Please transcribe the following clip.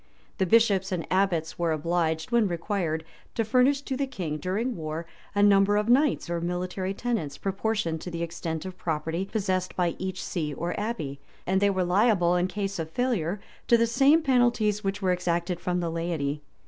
The bishops and abbots were obliged, when required, to furnish to the king, during war, a number of knights or military tenants, proportioned to the extent of property possessed by each see or abbey; and they were liable, in case of failure, to the same penalties which were exacted from the laity.